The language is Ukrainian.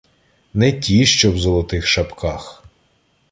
Не ті, що в золотих шапках.